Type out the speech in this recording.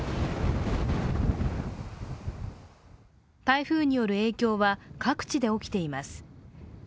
台風による影響は各地で起きています。